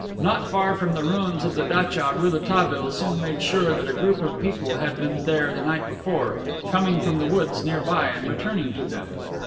Not far from the ruins of the datcha Rouletabille soon made sure that a group of people had been there the night before, coming from the woods near by, and returning to them.